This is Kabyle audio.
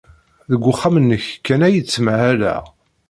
Deg uxxam-nnek kan ay ttmahaleɣ.